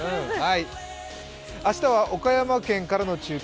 明日は岡山県からの中継。